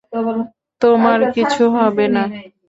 তোমার কিছু হবে না!